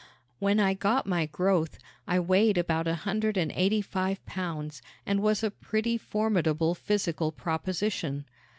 When I got my growth I weighed about one hundred and eighty five pounds and was a pretty formidable physical proposition.